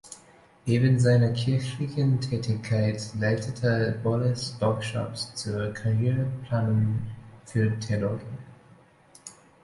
Neben seiner kirchlichen Tätigkeit leitete Bolles Workshops zur Karriereplanung für Theologen.